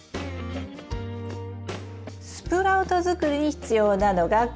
スプラウトづくりに必要なのがこれ！